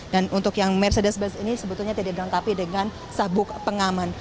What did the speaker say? dan untuk yang mercedes benz ini sebetulnya tidak dilengkapi dengan sabuk pengaman